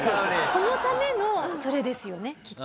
このためのそれですよねきっと。